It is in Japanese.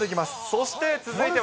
そして続いては。